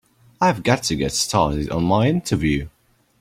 I've got to get started on my interview.